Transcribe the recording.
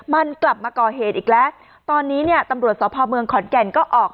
มันกลับมาก่อเหตุอีกแล้วตอนนี้เนี่ยตำรวจสพเมืองขอนแก่นก็ออก